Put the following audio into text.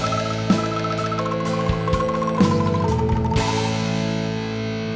kamu lihat saeb